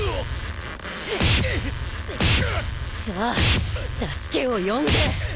さあ助けを呼んで！